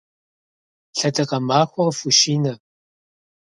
Лъэдакъэ махуэ къыфхущинэ!